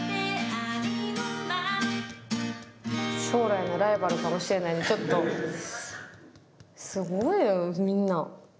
将来のライバルかもしれないのでちょっとすごいよみんな。